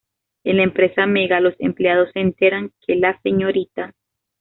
En la empresa Mega, los empleados se enteran que la Srta.